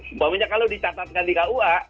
umpamanya kalau dicatatkan di kua